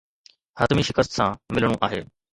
حتمي شڪست سان ملڻو آهي.